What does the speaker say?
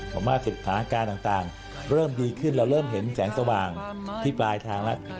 ผมว่าสถานการณ์ต่างเริ่มดีขึ้นเราเริ่มเห็นแสงสว่างที่ปลายทางแล้ว